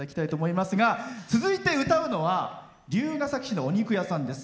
続いて歌うのは龍ケ崎市のお肉屋さんです。